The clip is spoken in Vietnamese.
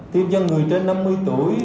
tiêm cho người trên năm mươi tuổi